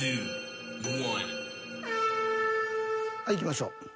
はいいきましょう。